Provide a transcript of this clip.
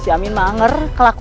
amin sangat keras